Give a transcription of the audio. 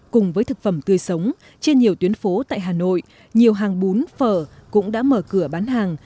cùng với thực phẩm tươi sống trên nhiều tuyến phố tại hà nội nhiều hàng bún phở cũng đã mở cửa bán hàng